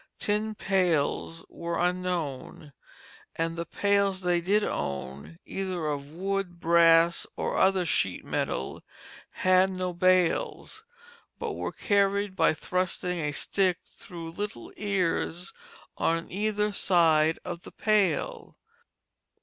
Tin pails were unknown; and the pails they did own, either of wood, brass, or other sheet metal, had no bails, but were carried by thrusting a stick through little ears on either side of the pail.